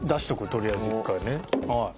とりあえず１回ね。